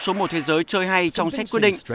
số một thế giới chơi hay trong sách quyết định